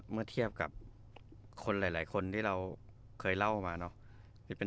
เมื่อเทียบกับคนหลายคนที่เราเคยเล่ามาเนอะ